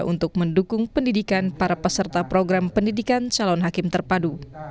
untuk mendukung pendidikan para peserta program pendidikan calon hakim terpadu